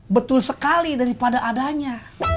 betul sekali daripada adanya